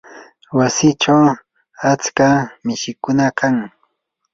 wasichaw atska mishikunam kan.